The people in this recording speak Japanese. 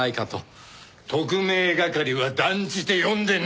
特命係は断じて呼んでない！